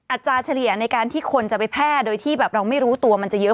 อาจจะเฉลี่ยในการที่คนจะไปแพร่โดยที่แบบเราไม่รู้ตัวมันจะเยอะ